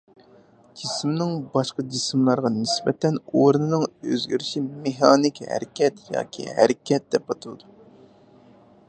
جىسىمنىڭ باشقا جىسىملارغا نىسبەتەن ئورنىنىڭ ئۆزگىرىشى مېخانىك ھەرىكەت ياكى ھەرىكەت دەپ ئاتىلىدۇ.